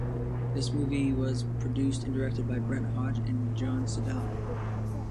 This movie was produced and directed by Brent Hodge and Jon Siddall.